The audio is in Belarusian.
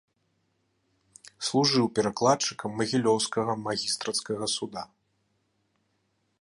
Служыў перакладчыкам магілёўскага магістрацкага суда.